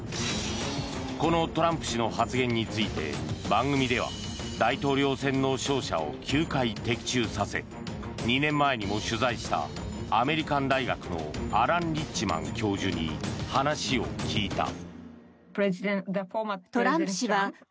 このトランプ氏の発言について番組では大統領選の勝者を９回的中させ２年前にも取材したアメリカン大学のアラン・リッチマン教授に話を聞いた。